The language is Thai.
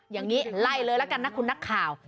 อย่างนี้ไล่เลยแล้วกันนะคุณนักข่าว